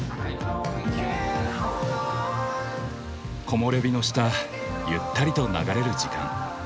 木漏れ日の下ゆったりと流れる時間。